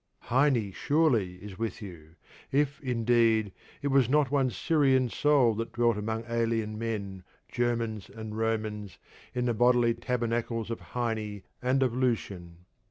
Heine surely is with you; if, indeed, it was not one Syrian soul that dwelt among alien men, Germans and Romans, in the bodily tabernacles of Heine and of Lucian.